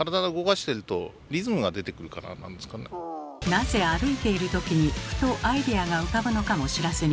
なぜ歩いているときにふとアイデアが浮かぶのかも知らずに。